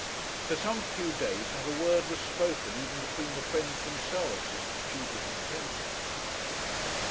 For some few days not a word was spoken, even between the friends themselves, as to Tudor's intention.